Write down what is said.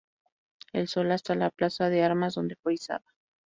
El Sol hasta la Plaza de Armas, donde fue izada.